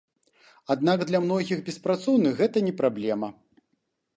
Аднак для многіх беспрацоўных гэта не праблема.